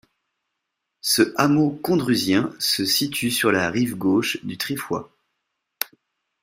Ce hameau condrusien se situe sur la rive gauche du Triffoy.